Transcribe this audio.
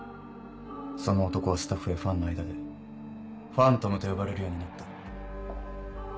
その男はスタッフやファンの間でファントムと呼ばれるようになった。